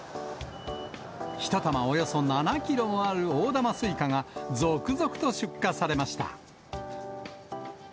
１玉およそ７キロもある大玉スイカが、続々と出荷されました。